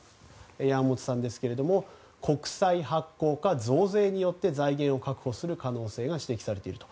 山本さんによると国債発行か増税によって財源を確保する可能性が指摘されていると。